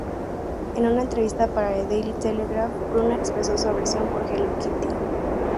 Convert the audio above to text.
En una entrevista para The Daily Telegraph, Bruna expresó su aversión por Hello Kitty.